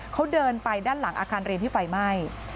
เขาเดินไปด้านหลังอาคารเรียนที่ไฟไหม้